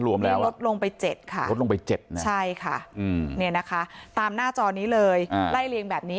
รวมแล้วลดลงไป๗ค่ะนี่นะคะตามหน้าจอนี้เลยไล่เลียงแบบนี้